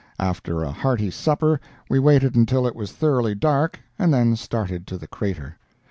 After a hearty supper we waited until it was thoroughly dark and then started to the crater.